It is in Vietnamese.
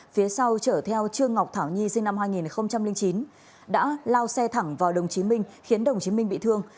phía sau chở theo trương ngọc thảo nhi sinh năm hai nghìn chín đã lao xe thẳng vào đồng chí minh khiến đồng chí minh bị thương